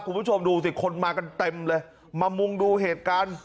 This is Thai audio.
คุณผู้ชมดูสิคนมากันเต็มเลยมามุงดูเหตุการณ์